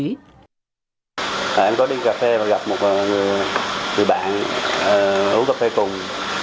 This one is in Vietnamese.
em có đi cà phê và gặp một người bạn uống cà phê cùng